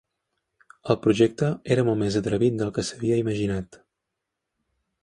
El projecte era molt més atrevit del que s'havia imaginat.